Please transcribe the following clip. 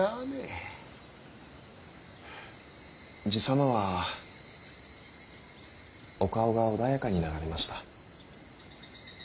爺様はお顔が穏やかになられました。